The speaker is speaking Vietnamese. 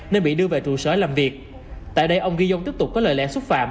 nên bị đưa về trụ sở làm việc tại đây ông giyon tiếp tục có lời lẽ xúc phạm